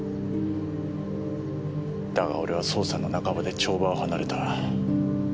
だが俺は捜査の半ばで帳場を離れた。